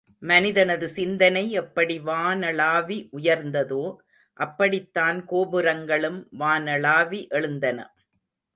மனிதனது சிந்தனை எப்படி வானளாவி உயர்ந்ததோ, அப்படித்தான் கோபுரங்களும் வானளாவி எழுந்தன.